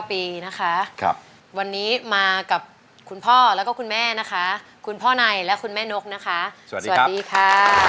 วันนี้มากับคุณพ่อแล้วก็คุณแม่นะคะคุณพ่อในและคุณแม่นกนะคะสวัสดีค่ะ